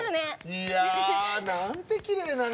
いやなんてきれいなね。